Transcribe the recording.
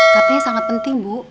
katanya sangat penting bu